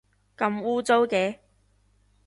咁污糟嘅